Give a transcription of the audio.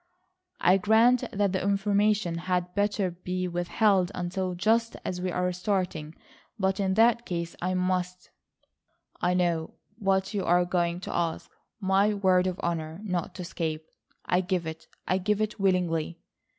"I grant that the information had better be withheld until just as we are starting, but in that case I must—" "I know what you are going to ask,—my word of honour not to escape. I give it, I give it willingly."